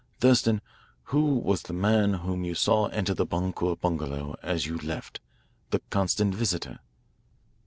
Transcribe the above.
Thurston, who was the man whom you saw enter the Boncour bungalow as you left the constant visitor?"